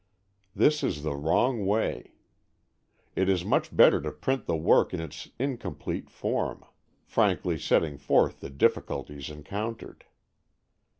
This is the wrong way. It is much better to print the work in its incomplete form, frankly setting forth the difficulties encountered.